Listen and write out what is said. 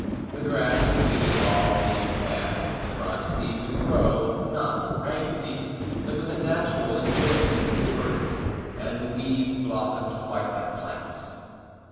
The grass greening all the expanse in its front seemed to grow, not rankly, but with a natural and joyous exuberance, and the weeds blossomed quite like plants.